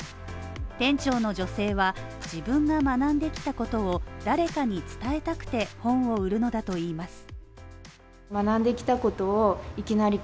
店長の女性は、自分が学んできたことを誰かに伝えたくて、本を売るのだと言います。